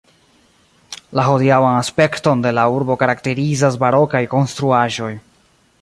La hodiaŭan aspekton de la urbo karakterizas barokaj konstruaĵoj.